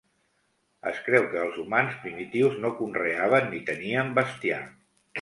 Es creu que els humans primitius no conreaven ni tenien bestiar.